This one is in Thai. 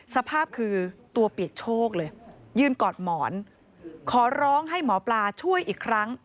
สภาพคือตัวเปียกโชคเลยยืนกอดหมอนขอร้องให้หมอปลาช่วยอีกครั้ง